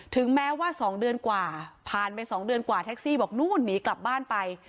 ถึงแม้ว่า๒เดือนกว่าผ่านไป๒เดือนกว่าแท็กซี่บอกนู่นหนีกลับบ้านไป